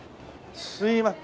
すいません。